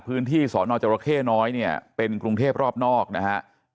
พื้นที่สอนอาจารย์เจาะเคน้อยเนี่ยเป็นกรุงเทพฯรอบนอกนะคะ